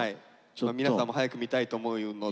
皆さんも早く見たいと思うので。